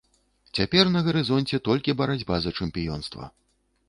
Цяпер на гарызонце толькі барацьба за чэмпіёнства.